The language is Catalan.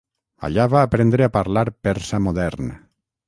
Allà va aprendre a parlar persa modern.